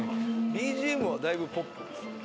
ＢＧＭはだいぶポップです。